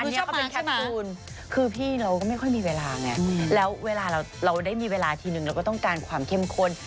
คือชอบเป็นแคมป์ตูนคือพี่เราก็ไม่ค่อยมีเวลาไงแล้วเวลาเราได้มีเวลาทีนึงเราก็ต้องการความเข้มข้น